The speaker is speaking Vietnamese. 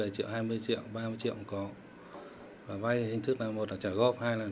trên địa bàn hai huyện long thành và nhân trạch vay lãi nặng